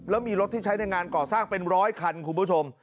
แล้วมีรถที่ใช้ในงานก่อสร้างเป็นร้อยคันคุณผู้ชม